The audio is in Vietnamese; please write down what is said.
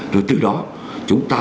rồi từ đó chúng ta